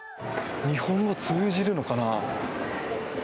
日本語、通じるのかなあ。